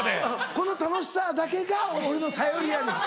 この楽しさだけが俺の頼りやねん。